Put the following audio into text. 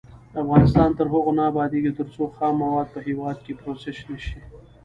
افغانستان تر هغو نه ابادیږي، ترڅو خام مواد په هیواد کې پروسس نشي.